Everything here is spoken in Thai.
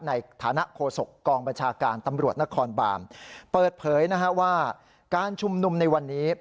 ในฐานะโคศกกองบัญชาการตำรวจนครบานเปิดเผยนะฮะว่าการชุมนุมในวันนี้